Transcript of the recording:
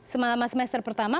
semalam semester pertama